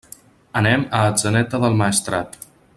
Anem a Atzeneta del Maestrat.